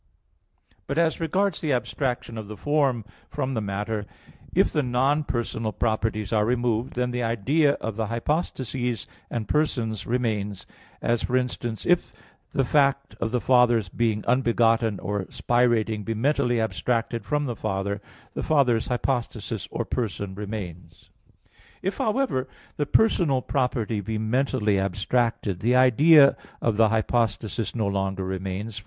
But as regards the abstraction of the form from the matter, if the non personal properties are removed, then the idea of the hypostases and persons remains; as, for instance, if the fact of the Father's being unbegotten or spirating be mentally abstracted from the Father, the Father's hypostasis or person remains. If, however, the personal property be mentally abstracted, the idea of the hypostasis no longer remains.